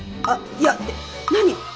「あっいや」って何？